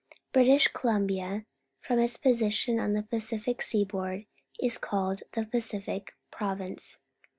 British Cohanbia, from its position on the Pacific seaboard, is called the Pacific Province.